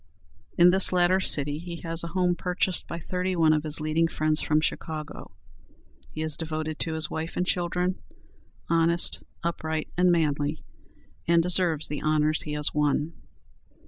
In this latter city he has a home purchased by thirty one of his leading friends from Chicago. He is devoted to his wife and children, honest, upright, and manly, and deserves the honors he has won.